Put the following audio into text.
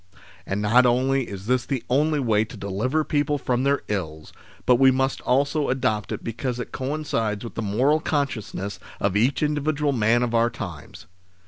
And not only is this the only way to deliver people from their ills, but we must also adopt it because it coincides with the moral consciousness of each individual man of our times.